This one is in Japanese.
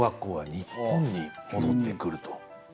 日本に戻ってくると。